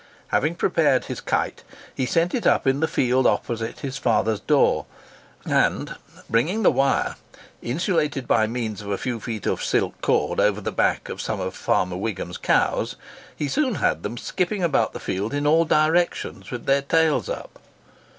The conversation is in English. Having prepared his kite, he sent it up in the field opposite his father's door, and bringing the wire, insulated by means of a few feet of silk cord, over the backs of some of Farmer Wigham's cows, he soon had them skipping about the field in all directions with their tails up.